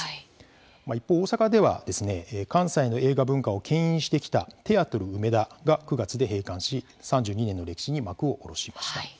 一方、大阪では関西の映画文化をけん引してきたテアトル梅田が９月で閉館し３２年の歴史に幕を下ろしました。